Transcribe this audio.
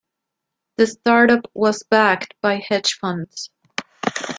The startup was backed by hedge funds.